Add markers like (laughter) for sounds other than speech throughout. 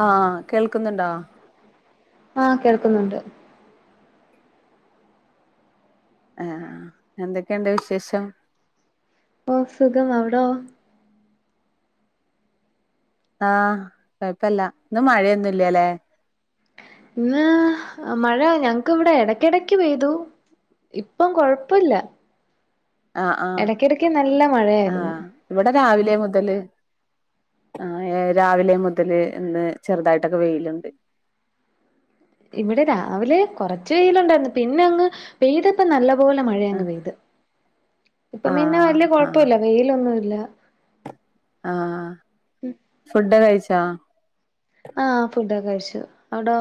ആഹ് കേൾക്കുന്നുണ്ടോ ആഹ് കേൾക്കുന്നുണ്ട് ഏഹ് എന്തൊക്കെയുണ്ട് വിശേഷം ഓ സുഖം അവിടോ ആഹ് കൊയപ്പല്ല ഇന്ന് മഴയൊന്നുല്ല്യാല്ലേ ഇന്ന് മഴ ഞങ്ങ്ക്കിവിടെ എടയ്ക്കെടയ്ക്ക് പെയ്തു ഇപ്പം കൊഴപ്പല്ല ആഹ് ആഹ് എടക്കെടക്ക് നല്ല മഴയായിരുന്നു ആഹ് ഇവിടെ രാവിലേ മുതല് ആ ഏ രാവിലെ മുതല് ഇന്ന് ചെറുതായിട്ടൊക്കെ വെയില്ണ്ട് ഇവിടെ രാവിലെ കൊറച്ച് വെയിലൊണ്ടായിരുന്നു പിന്നെയങ്ങ് പെയ്തപ്പ നല്ല പോലെ ആഹ് മഴയങ്ങ് പെയ്ത് ഇപ്പം പിന്നെ ആഹ് വലിയ ആഹ് കൊഴപ്പല്ല വെയിലൊന്നുല്ല ആഹ് ഫുഡ് കഴിച് ട്ടാ ആഹ് ഫുഡൊക്കെ കഴിച് ച്ചു അവിടോ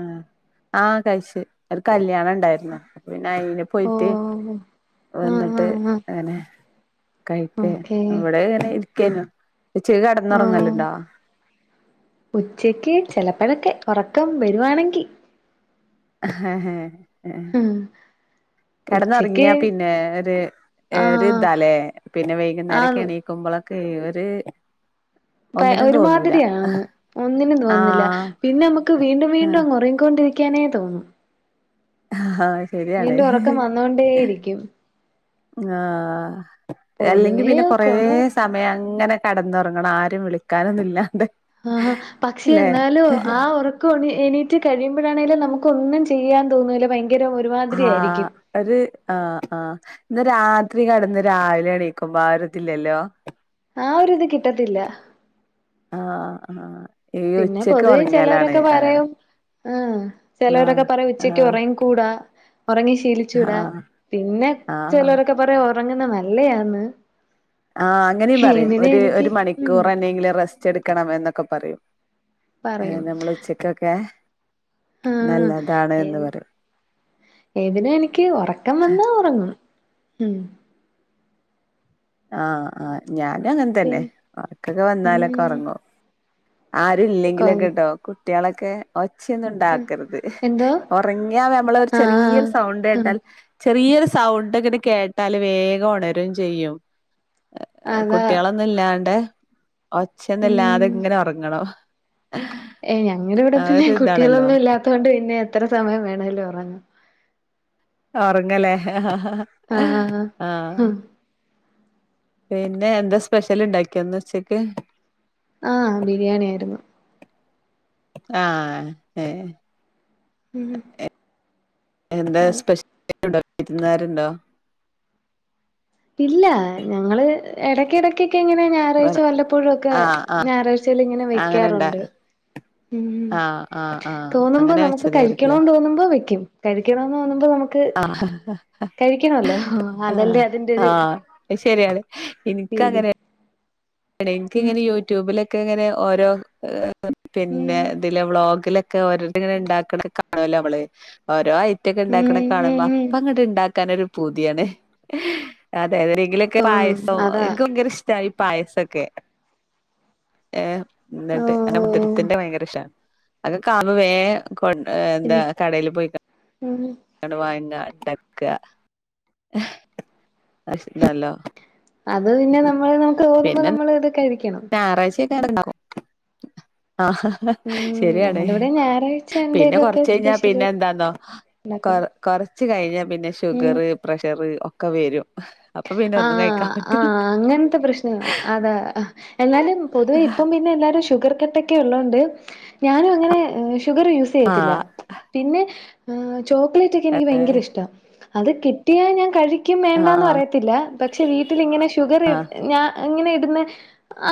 ആഹ് ആ കഴിച്ച് ഒരു കല്യാണണ്ടായ്രുന്നു പിന്നെ അയ്ന് ഓ പോയിറ്റ് ആഹ് വന്നിട്ട് ആഹ് ആഹ് ആനെ കഴിക്കെ ഓക്കേ ഇവടെ ഇങ്ങനേയിരിക് കേനു ഉച്ചയ്ക് കെടന്നൊറങ്ങല്ണ്ടാ ഉച്ചയ്ക്ക് ചെലപ്പളൊക്കെ ഒറക്കം വരുവാണെങ്കി ഹാ ഹേ ഏ ഉം കെടന്നൊറങ്ങ്യാ ഉച്ചക്ക് പിന്നെ ഒരു ഏ ഒരു ആഹ് ഇതാല്ലേ പിന്നെ ആന്ന് വൈകുന്നേരൊക്കെണീക്കുമ്പൊളൊ കേ ഒര് പേ ഒരുമാതിരിയാണ് ഒന്നിനും തോന്നില്ല ആഹ് പിന്നെ നമ്മുക്ക് വീണ്ടും വീണ്ടും ആഹ് അങ്ങ് ഒറങ്ങിക്കൊണ്ടിരിക് ക്ക്യാനേ തോന്നും. ഹാ വീണ്ടും ഒറക്കം വന്നോണ്ടേ ഇരിക്കും. ആ അല്ലെങ്കി പിന്നെ കൊറേ കൊറവ സമയം അങ്ങനെ കടന്നുറങ്ങണം ആരും വിളിക്കാനൊന്നും ഇല്ലാണ്ട് ആ പക്ഷെ ല്ലെ എന്നാലും ആ ഉറക്കം എണീറ്റ് കഴിയുമ്പോഴാണെലും നമുക്ക് ഒന്നും ചെ ചെയ്യാൻ തോന്നൂല ഭയങ്ക ആ ഒരു ആ ആ രാത്രി കടന്ന് രാവിലെണീക്കുമ്പോ ആ ഒരുതില്ലല്ലോ ആ ഒരിത് കിട്ടത്തില്ല. ആ പിന്നെ പൊതുവേ ചിലവരൊക്കെ പറയും ആ ചിലവരൊക്കെ ആഹ് പറയും ഉച്ചക്ക് ആഹ് ഒറങ്ങികൂടാ ഒറങ്ങി ശീലിചൂടാ ആഹ് പിന്നെ ആഹ് ചിലരൊക്കെ പറയും ഉറങ്ങുന്ന നല്ലയാന്ന് ആ അങ്ങനിം പറിം ഏതിനെ ഒരു എനിക്ക് ഒരു ഉം മണിക്കൂർ എന്നെങ്കിലും റസ്റ്റ് എടുക്കണം എന്നൊക്കെ ഒക്കെ പറയും നമ്മൾ ഉച്ചക്കൊക്കെ ആ നല്ലതാണ് ഏ എന്ന് പറയും ഏതിനാ എനിക്ക് ഉറക്കം വന്നാ ഉറങ്ങണം ഉം ആ ആ ഞാനും അങ്ങനെ പി തന്നെ വർക്കൊക്കെ ഉം വന്നാലൊക്കെ ഉറങ്ങുവ കൊ ആരല്ലെങ്കിലൊക്കെ കേട്ടോട് കുട്ടികളൊക്കെ ഒച്ച ഒന്നും ഉണ്ടാക്കരുത് എന്തോ ഉറങ്ങിയാൽ നമ്മള് ഒരു ആഹ് ചെറിയൊരു സൗണ്ട് ഉം കേട്ടാൽ ചെറിയൊരു സൗണ്ട് അങ്ങട്ട് കേട്ടാല് വേഗം ഉണരും ചെയ്യും അതാ കുട്ടികളൊന്നും ഇല്ലാണ്ട് ഒച്ചൊന്നുമില്ലാതെ ഇങ്ങനെ ഉറങ്ങണം ഏ ഞങ്ങുടെ ഇവിടെ ആ പിന്നെ ഒരു ഇതാണല്ലോ കുട്ടികളൊന്നും ഇല്ലാത്തോണ്ട് പിന്നെ എത്ര സമയം വേണലും ഉറങ്ങാം ഉറങ്ങല്ലേ ആഹ് ആ ഉം പിന്നെ എന്താ സ്പെഷ്യൽ ഇണ്ടാക്കിയന്ന് ഉച്ചക്ക് ആ ബിരിയാണി ആയിരുന്നു ആ ഹ ഉം എന്താ സ്പെഷ്യല് ഉണ്ടരുന്നാരുണ്ടോ ഇല്ല ഞങ്ങള് ഇടക്ക് ഇടക്ക് എങ്ങനെ ഞായറാഴ്ച വല്ലപ്പോഴുമൊക്കെ ആഹ് ആഹ് ഞായറാഴ്ചേൽ ഇങ്ങനെ അങ്ങനെണ്ട വെക്കാറുണ്ട് ഉം ആഹ് ആഹ് ആഹ് തോന്നുമ്പോ അങ്ങനെ നമുക്ക് വെച്ചതായിരിക്കൂലേ കഴിക്കണോന്ന് തോന്നുമ്പോ വെക്കും കഴിക്കണന്ന് തോന്നുമ്പോ നമുക്ക് ആ കഴിക്കണല്ലോ അതല്ലേ അതിന്റെരു ശരി അതെ എനിക്ക് അങ്ങനെ എനിക്ക് ഉം ഇങ്ങനെ യൂട്യൂബിലൊക്കെ ഒക്കെ ഇങ്ങനെ ഓരോ പിന്നെ ഉം ഇതില് വ്ളോഗിലൊക്കെ ഓരോരു ഇണ്ടാക്കണ ഒക്കെ കാന്നോല്ലോ നമ്മള് ഓരോ കുറ്റ ഒക്കെ ഉം ഉണ്ടാക്കണ കാണുമ്പോ ഉം ഉം അപ്പൊ അങ്ങട്ട് ഉണ്ടാക്കാനൊ ഒരു പുതിയാണ് അ തതെങ്കിലൊക്കെ തോന്നും പായസം അതാ ഇൻക്ക് ങ്കര ഇഷ്ടായി പായസ ക്കെ ഏഹ് എന്നിട്ട് എന്റെ ഓഹോ മുദരത്തിന്റെ ഭയങ്കര ഇഷ അത്കാമ്പ വേ കൊണ്ട് എന്താ ഇനി കടേല് പോയി ഉം വാങ്ങാ (unintelligible) അത് പിന്നെ നമ്മള് നമുക്ക് തോന്നുമ്പോ നമ്മള് (unintelligible) ഞാറാഴ്ച (unintelligible) ണ്ടാവൊ ആ ഉം ശരിയാണ് ഞങ്ങടെ ഇവിടെ ഞായറാഴ്ച പിന്നെ എന്തേലുമൊക്കെ കൊറച്ച് കഴിഞ്ഞാ പിന്നെ സ്പെഷ്യല് എന്താന്നോ കൊ ഉണ്ടാക്കണം കൊറ ച്ച് കഴിഞ്ഞ പിന്നെ ഉം ഷുഗർ പ്രഷർ ഒക്കെ വരും അപ്പൊ പിന്നെ ആ ഒന്നും കഴിക്കാൻ ആ പറ്റൂല അങ്ങനത്തെ പ്രശ്ന അതാ എന്നാലും പൊതുവ ഇപ്പം പിന്നെ എല്ലാരും ശുഗർ കട്ടൊക്കെ ഉള്ളോണ്ട് ഞാനുവങ്ങനെ ഷുഗർ യൂസ് ചെയ്യത്തില്ല ആഹ് പിന്നെ ചോക്ലേറ്റ് ക്കെ എനിക്ക് ഏഹ് ഭയങ്കര ഇഷ്ട അത് കിട്ടിയാ ഞാൻ കഴി ക്കും വെണ്ടാന്ന് ആഹ് പറയത്തി പക്ഷെ വീട്ടിലിങ്ങനെ ഷുഗർ ഞ അങ്ങനെ ഇടുന്ന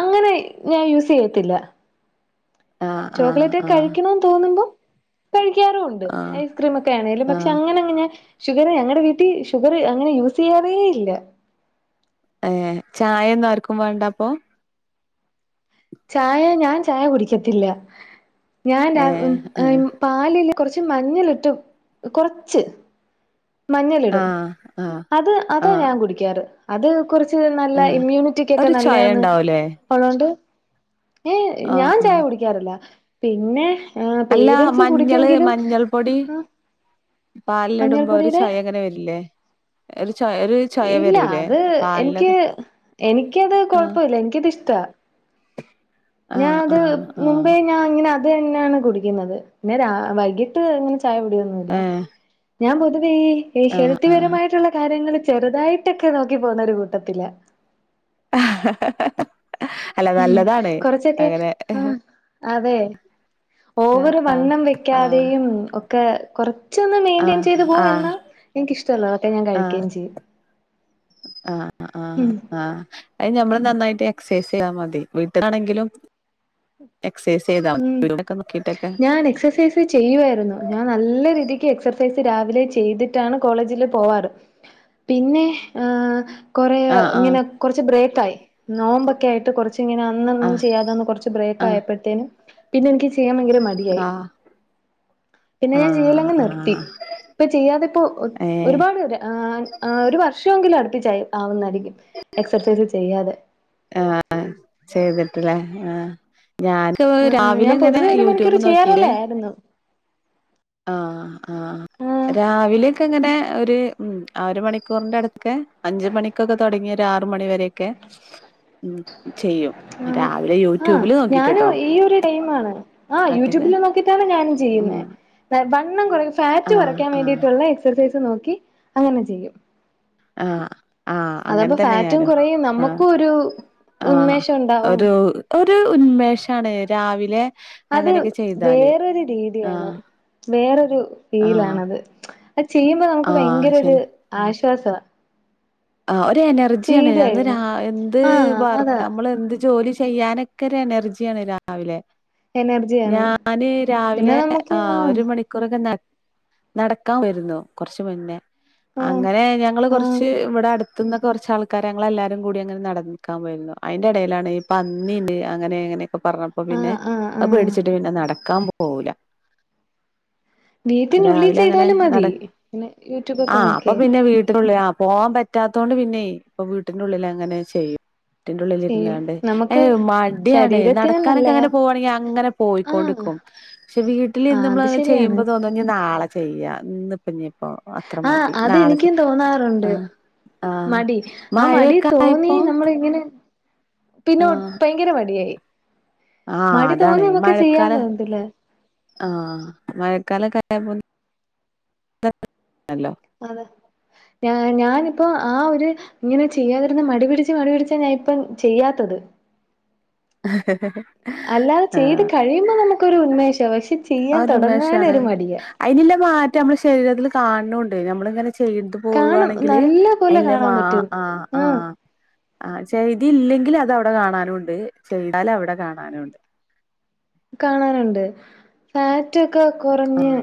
അങ്ങനെ ഞാൻ യൂസ് ചെയ്യത്തില്ല ആഹ് ആഹ് ചോക്ലേറ്റ് ആഹ് കഴിക്കണന്ന് തോന്നുമ്പോ കഴിക്കാറും ഉണ്ട് ആഹ് ഐസ്ക്രീം ഒക്കെ ആണെലും പക്ഷെ ആഹ് അങ്ങനെയങ്ങു ഞാൻ ഷുഗർ ഞങ്ങളടെ വീട്ടിൽ ഷുഗർ അങ്ങനെ യൂസ് ചെയ്യാറെ ഇല്ല ഏഹ് ചായ ഒന്നും ആർക്കും വേണ്ടപ്പൊ? ചായ ഞാൻ ചായ കുടിക്കത്തില്ല ഞാൻ ആഹ് ഏഹ് ആ ഏഹ് ഉം പാലില് കൊറച്ച് മഞ്ഞിലിട്ട് കൊറച്ച് മഞ്ഞളിടും ആഹ് ആഹ് അത് അതാ ആഹ് ഞാൻ കുടിക്കാറ് അത് കുറിച്ച് നല്ല ആഹ് ഇമ്മ്യൂണിറ്റിക്കൊക്കെ ഒരു നല്ല ചൊയ യാണ് ഉണ്ടാവൂലേ ഒള്ളോണ്ട് ഏ ആഹ് ഞാൻ ചായ ആഹ് കുടിക്കാറില്ല പിന്നെ അല്ല പേരൻറ്സ് മഞ്ഞള് കുടിക്കുമെങ്കിലും മഞ്ഞൾ പൊടി ആ പാലിലിടുമ്പോ ഒരു മഞ്ഞൾപ്പൊടിയുടെ ചായ അങ്ങനെ വരില്ലേ ഒരു ചൊയ ഒരു ചൊയ ഇല്ല വരൂലേ അത് എനിക്ക് പാലിലൊക്കെ എനിക്കത് ആഹ് കൊഴപ്പമില്ല എനിക്കത് ഇഷ്ടാ ഞാൻ ആഹ് അത് ആഹ് ആഹ് മുമ്പേ ഞാൻ ഇങ്ങനെ അതന്നെയാണ് കുടിക്കുന്നത് പിന്നെ വൈകിട്ട്ങ്ങനെ ചായ കുടിയൊന്നുമില്ല ഏഹ് ഞാൻ പൊതുവേ ഈ ആഹ് ആഹ് ഹെൽത്തിപരമായിട്ടുള്ള കാര്യങ്ങൾ ചെറുതായിട്ടൊക്കെ നോക്കി പോവുന്ന ഒരു കൂട്ടത്തിലാ (inaudible) അല്ല ഉം നല്ലതാണ് കൊറച്ചൊക്കെ അങ്ങനെ ആ ആഹ് അതെ ഓവറ് ആഹ് വണ്ണം ആഹ് വെക്കാതെയും ഒക്കെ കുറ കുറച്ചൊന്നു മെയ്ൻ്റെയിൻ ആഹ് ചെയ്തു പോകും ആഹ് എന്ന എനിഷ്ട ടമുള്ളതൊക്കെ ഞാൻ ഞാൻ കഴിക്കേം ചെയ്യും ആ ആ ആ ആ അ നമ്മള് നന്നായിട്ട് എക്സസൈസ് ചെയ്യാ മതി വീട്ടിലാണെങ്കിലും എക്സസൈസ് ചെയ്താൽ മതി ഉം യൂട്യൂബിലൊക്കെ നോക്കിട്ടൊക്കെ ഞാൻ എക്സസൈസ് ചെയ്യുവായിരുന്നു ഞാൻ നല്ല രീതിക്ക് എക്സ രാവിലെ ചെയ്തിട്ടാണ് കോളേജില് പോവാറ് പിന്നെ കുറെ ആഹ് ആഹ് ഇങ്ങനെ കുറച്ച് ബ്രേക്ക് ആയി നോമ്പൊക്കെ ആയിട്ട് കുറച്ച് ഇങ്ങനെ അന്നൊന്നും ആഹ് ചെയ്യാതെന്ന് കുറച്ച് ബ്രേക്ക് ആഹ് ആയപ്പോഴത്തേനും പിന്നെ എനിക്ക് ചെയ്യാൻ പയങ്കര മടിയായി ആഹ് പിന്നെ ഞാൻ ആഹ് ചെയ്യലങ്ങ് നിർത്തി ആഹ് ഇപ്പൊ ചെയ്യാതെപ്പോ ഏഹ് ഒരുപാട് ഒരു വർഷങ്കിലും അടു അടുപ്പിച്ചു ആയി ആവു എക്സർസൈസ് ചെയ്യാതെ ആ ചെയ്തിട്ട് അല്ല ആ ഞാൻ ആഹ് ആഹ് രാവിലെ ഞാൻ ഇങ്ങനെ പൊതുവേ ഒരു മണിക്കൂർ യൂട്യൂബ് നോക്കീല് ചെയ്യാറുള്ളയായിരുന്നു. ആ ആ ആഹ് രാവിലെയക്കെ എങ്ങനെ ഒരു ഉ ആ ഒരു മണിക്കൂറിന്റെ അടുത്ത് അഞ്ച മണിക്കൊക്കെ തുടങ്ങിയ ഒരു ആറ മണിവരൊക്കെ ആ ആ യൂട്യൂബില് ഞാനും നോക്കിട്ട്ട്ടോ ഈ ഒരു ഡെയി ആണ് ആ ഒറ്റക്ക് യൂട്യൂബില് നോക്കിട്ടാണ് ഞാനും ഉം ചെയ്യുന്നത് വണ്ണം കു ഫാറ്റ് ആഹ് കുറക്കാൻ ആഹ് വേണ്ടീട്ടുള്ള എക്സസൈസ് നോ അങ്ങനെ ചെയ്യും ആ അതപ്പോൊ ഫാറ്റും കുറയും നമ്മുക്കും ഒരു ആഹ് ഉന്മേഷം ഉണ്ടാവും ഒരു ഉന്മേഷാണ് രാവിലെ അത് അങ്ങനെയൊക്കെ ചെയ്താല് വേറൊരു രീതിയാണ് ആഹ് വേറൊരു ആഹ് ഫീലാണത് അത് ചെയ്യുമ്പോൾ നമുക്ക് ആഹ് ഭയങ്കര ഒരു ആ അസോസ ആ ഒരു എനർജിയ ആാണ് അ എന്ത് ആഹ് അതാ നമ്മൾ എന്ത് ജോലി ചെയ്യാനൊക്കെ ഇരെ എനർജിയാണ് രാവിലെ എനർജിയാണ് ഞാന് പിന്നെ രാവിലെ ആ നമുക്ക് ആഹ് ഒരു മണിക്കൂറൊക്കെ ന നടക്കാൻ വരുന്നു കുറച്ച മുന്നേ ആഹ് അങ്ങനെ ഞങ്ങള്ൾ ആഹ് കൊറച്ച് അടുത്തുന്ന കുറച്ച് ആൾക്കാര് ഞങ്ങ എല്ലാരും കൂടി അങ്ങനെ നടക്കാൻ പോയിരുന്നു അതിന്റെ ഇടയിലാണ് ഈ പന്നീന് അങ്ങനെ അങ്ങനെ പറഞ്ഞപ്പോ പിന്നെ ആഹ് ആഹ് അ ആഹ് പേടിച്ചിട്ട് പിന്നെ നടക്കാൻ പോ പോവൂല വീട്ടിനുള്ളിൽ രാവിലെ അങ്ങനെ ചെയ്താലും മതി നട പിന്നെ യൂട്യൂബ ഒക്കെ നോക്കിയ പോകാൻ പറ്റ പറ്റാത്തത കൊണ്ട് പിന്നെയ ഇപ്പ വീട്ടിന്റെള്ളിൽ അങ്ങനെ ചെയ്യും കുട്ടിന്റെ ഉള്ളിൽ ചെയ്യും ഇരുന്നണ്ട് അ ഏ നമുക്ക് മടിയാണ് ശരീരത്തിന് നടക്കാനൊക്കെ നല്ലയാ അങ്ങനെ പോകവാണെങ്കിൽ അങ്ങനെ ആഹ് പോയിക്കൊണ്ടിക്കും പക്ഷെ വീട്ടിൽന്ന് ആഹ് അത് നമ്മള്നെ ശരിയാണ് ചെയ്യുമ്പോ തോന്നുാ നാളെ ചെയ്യാ ഇ പിനെ അപ്പൊ അത്ര ആഹ് മതി നാളെ ചെയ്യാം അതെനിക്കും തോന്നാറുണ്ട് ആ മടി ആ മടി തോന്നി നമ്മള ഇങ്ങനെ പിന്നെ ആഹ് ഭയങ്കര മടിയായി ആഹ് മടി അതാണ് തോന്നി നമുക്ക് ചെയ്യാൻ മഴക്കാലം തോന്നതി ല്ല ആഹ് (unintelligible) അതാ ഞാ ഞാനിപ്പോൊ ആ ഒരു ഇങ്ങനെ ചെയ്യാതിരുന്ന മടിപിടിച്ച് മടിപിടിച്ചാ ഞാൻ ഇപ്പ ചെയ്യാത്തത് ആ അല്ലാതെ ചെയ്ത് കഴിയുമ്പോ നമുക്കൊരു ഉന്മേഷ പക്ഷേ ആ ഒരുമേഷആണ് അയിനല്ല മാറ്റ നമ്മള് ശരീരത്തിൽ കാണണ്ട് നമ്മളിങ്ങനെ ചെയ്തിട്ട് കാണും പോകുവാണെങ്കില് നല്ല പോലെ അതിന്റെ കാണാൻ മാ പറ്റും ആഹ് ആഹ് ആ ചെയ്തില്ലെങ്കിൽ അത് അവിടെ കാണാനും ഉണ്ട് ചെയ്താൽ അവിടെ കാണാനും ഉണ്ട് കാണാനുണ്ട് ഫാറ്റ് ഓ ക്കാ കുറഞ്ഞെ ആഹ്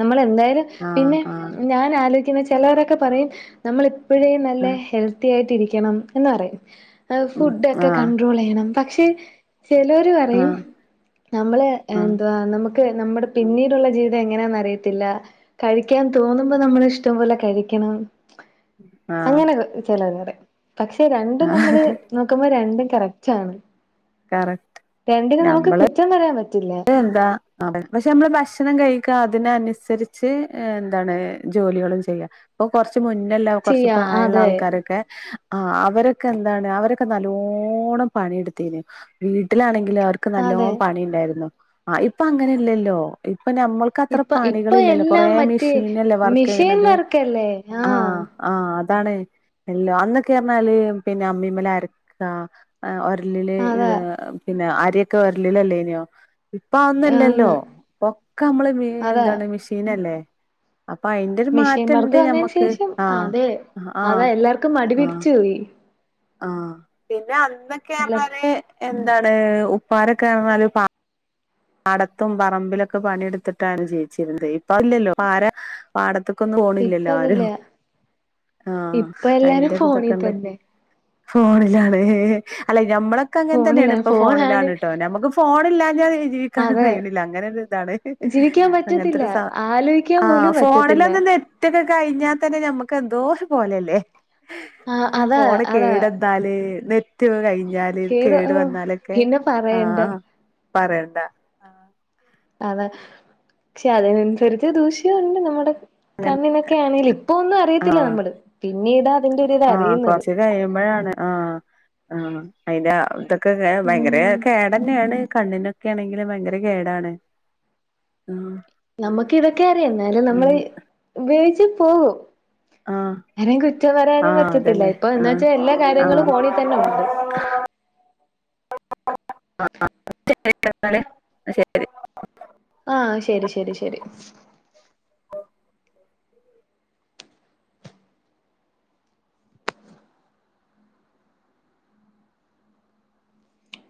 നമ്മൾ എന്തായാലും ആഹ് പിന്നെ ആഹ് ഞാൻ ആലോച പിന്നെ ചിലരൊക്കെ പറയും നമ്മള് ഇപ്പഴേ നല്ല ആഹ് ഹെൽത്തി ആയിട്ട് ഇരി ക്കണം എന്നു പറയും ആഹ് ഉം ഫുഡ് ഒക്കെ ആഹ് കണ്ട്രോൾ ചെയ്യണം പക്ഷേ ചേലൊരു പറയും ആഹ് നമ്മള് ആഹ് എന്താ ന മുക്ക് നമ്മുടെ പിന്നീടുള്ള ജീവിതം എങ്ങനെയാന്നറിയത്തില്ല. കഴിക്കാൻ തോന്നുമ്പോ നമ്മള ഇഷ്ടം പോലെ കഴിക്കണം. ആഹ് അങ്ങനെ ചെലവേറെ പക്ഷെ രണ്ടും നമ്മള് ആഹ് നോക്കുമ്പോ രണ്ടും കറക്റ്റ് ആണ്. കറ രണ്ടിന് നമുക്ക് കുറ്റം പറയാൻ പ അത് എന്താ പക്ഷെ നമ്മള് ഭക്ഷണം കഴിക്ക അതിനനുസരിച്ച് എന്താണ് ജോലികളും ചെയ്യാ ഇപ്പൊ കൊറച്ച് ക്ക് മുന്നല്ല കുറച്ച് ചെയ്യാ പ്രായള്ള അതെ ആൾക്കാരൊക്കെ ആ അവരൊക്കെ എന്താണ് അവരൊക്കെ നല്ലോണം പണിയെടുത്തിനി വീട്ടിലാണെ ങ്കിലും അവർക്ക് നല്ലോ അതെ പണിണ്ടായിരുന്നു. ആ ഇപ്പൊ അങ്ങനെ ഇല്ലല്ലോ ഇ പ്പ നമ്മൾക്ക് അത്ര ഇപ്പൊ പണികൾ ഇപ്പൊ ഇല്ലല്ലോ കൊറെ എല്ലാം മറ്റേ മെഷീനല്ലേ വർക്ക് മെഷീൻ ചെയ്യ്ണത് വർക്കല്ലേ ആ ആഹ് ആ അതാണ് എല്ലാം അന്നൊക്കെ പറഞ്ഞാല് പിന്നെ അമ്മിമ്മലരക്കാ ഹേ ഒര ലില് അതാ ഹ് പിന്നെ അ (unintelligible) ഒര്ലില്ലല്ലേനിയോ ഇപ്പാഹ് ആന്ന് ഒന്നുല്ലല്ലോ ഒക്കമ്മള് മി എന്താണ് മിഷീനല്ലേ മിഷീൻ വർക്ക് വന്നേന് ഞമ്മക്ക് ശേഷം ആഹ് ആതെ ആഹ് അതെ എല്ലാർക്കും മടി പിടിച്ചു പോയി ആ പിന്നെ അ എല്ലാ ന്നക്കെറ്ഞ്ഞാല് എന്താണ് ഉപ്പാരൊക്കെറ്ഞ്ഞാല് പ പാടത്തും പറമ്പിലൊക്കെ പണിയെടുത്തിട്ടാണ് ജീവിച്ചിരുന്നത് ഇപ്പഹ് ഇല്ലല്ലോ ഇപ്പാരാ പാടത്ത് ക്കൊന്നും ഇപ്പ പോണില്ലല്ലോ ആരും അതില്ല ആഹ് ഇപ്പൊ എല്ലാരും അയിന്റെ ഒരു ഫോണിൽ ഇതൊക്കെണ്ട് തന്നെ ഫോണിലാണ് അല്ല നമ്മളൊക്കെങ്ങനെ തന്നെയാണ് ഫോണിലാണ് ഇപ്പൊ ഫോണാണ് ഫോണിലാണിട്ടോ നമുക്ക് ഫോണില്ലാ ല്ലാതെ ക്കാനും അതെ കയിണില്ല അങ്ങനെ ഒരു ഇതാണ് ജീവിക്കാൻ അങ്ങനത്തെ പറ്റത്തില്ല ഒരു സാ ആലോയിക്കാൻ ആഹ് പോലും പറ്റത്തില്ല ഫോണിലാന്നേ നെറ്റക്കെ കഴിഞ്ഞാൽ തന്നെ നമ്മുക്ക് എന്തോ പോലല്ലേ ആഹ് അതാ ഫോൺ അതാ കേട്ന്നാല് നെറ്റൊക്ക കഴി ഞ്ഞാല് കേട് കേടു ഓഹ് വന്നാലൊക്കെ പിന്നെ പറയണ്ട ആഹ് പറയണ്ട ആഹ് അതെ പക്ഷെ അതിനനുസരിച്ച് ദൂഷ്യോം ഉണ്ട് നമ്മടെ കണ്ണിനൊക്കെ ആണെല് ഇപ്പൊ ഒന്ന് അറിയത്തില്ല ആഹ് നമ്മള് പിന്നീടാ അതിന്റെ ഒരുരിത് ആഹ് അറിയുന്നത്. ആ അയിന്റെ ഇത് ക്കക്കെ ഭയങ്കര ഉം കേടന്നെയാണ് കണ്ണിനൊ ക്കെ ആണെങ്കില് ഭയങ്കര കേടാണ്. ആഹ് നമുക്ക് ഇതൊക്കെ അറിയാം ന്നാലും നമ്മൾ ഉം ഉപയോ ഗിച്ച് പോകും ആഹ് ആരേം കുറ്റം പറയാനും ആഹ് പറ്റത്തില്ല അതന്നെ ഇപ്പൊ എന്ന ആഹ് വെച്ചാ എല്ലാ കാര്യങ്ങളും ഫോണിൽ തന്നെ ഉണ്ട് ആഹ് ശരി എന്നാല് ശരി ആ ശരി ശരി ശരി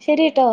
ശരീട്ടോ